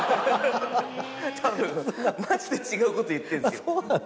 たぶんマジで違うこと言ってるんですよ。